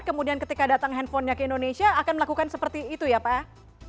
kemudian ketika datang handphonenya ke indonesia akan melakukan seperti itu ya pak